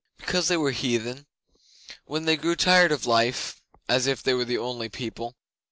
'Because they were heathen. When they grew tired of life (as if they were the only people!)